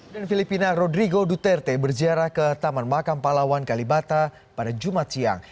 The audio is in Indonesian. dan filipina rodrigo duterte berziarah ke taman makam pahlawan kalibata pada jumat siang